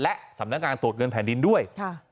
และสำนักงานตรวจเงินแผ่นดินด้วย